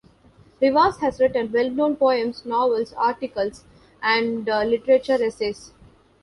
Rivas has written well known poems, novels, articles and literature essays.